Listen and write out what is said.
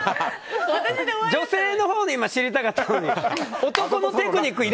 女性のほうで知りたかったのに。